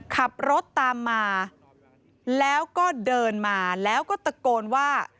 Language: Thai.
ขับรถตามมาแล้วก็เดินมาแล้วก็ตะโกนว่า